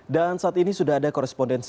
dan saat ini sudah ada korespondensi